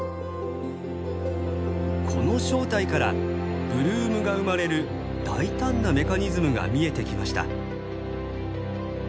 この正体からブルームが生まれる大胆なメカニズムが見えてきました。